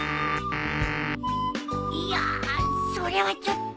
いやそれはちょっと。